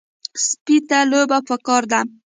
سپي ته لوبه پکار ده.